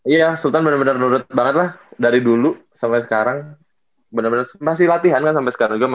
iya sultan bener bener nurut banget lah dari dulu sampe sekarang bener bener masih latihan kan sampe sekarang